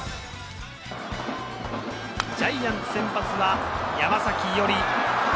ジャイアンツ先発は山崎伊織。